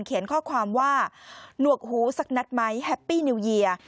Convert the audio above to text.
เขียนข้อความว่าหนวกหูสักนัดไหมแฮปปี้นิวเยียร์